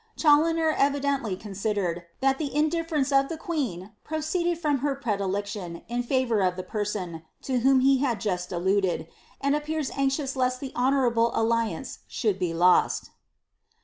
Chaloner evidently considered, that the indifference of the queen proceeded from her predilection in favour of the person, to whom he had just alluded, and appears anxious lesl the honourable alli ance should be lost.'